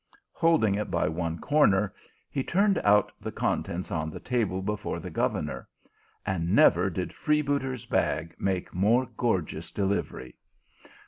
Holding it by one corner, he turned out the contents on the table before the governor, and never did freebooter s bag make more gorgeous delivery.